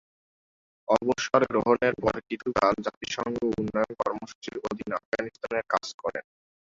অবসরগ্রহণের পর কিছুকাল জাতিসংঘ উন্নয়ন কর্মসূচীর অধীন আফগানিস্তানে কাজ করেন।